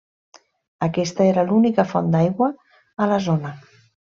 Aquesta era l'única font d'aigua a la zona.